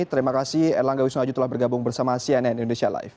terima kasih erlangga wisnuaju telah bergabung bersama cnn indonesia live